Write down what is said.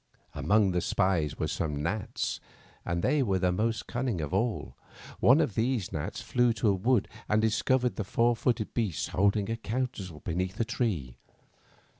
Among the spies were some gnats, and they were the most cunning of all. One of these gnats flew to a wood and discovered the four footed beasts holding a council be neath a great tree.